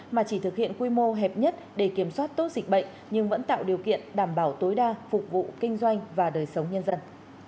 mô hẹp nhất để kiểm soát tốt dịch bệnh nhưng vẫn tạo điều kiện đảm bảo tối đa phục vụ kinh doanh và đời sống nhân dân